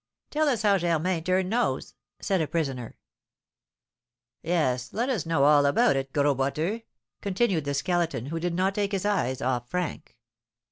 "Tell us how Germain turned nose," said a prisoner. "Yes, let us know all about it, Gros Boiteux," continued the Skeleton, who did not take his eyes off Frank.